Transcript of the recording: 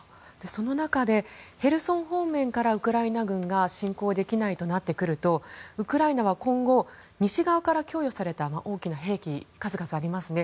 その中でヘルソン方面からウクライナ軍が侵攻できないとなってくるとウクライナは今後西側から供与された大きな兵器、数々ありますね。